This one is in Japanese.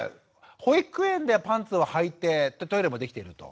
保育園ではパンツをはいてトイレもできていると。